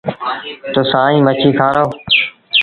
تا سائيٚݩ مڇي کآرآئو۔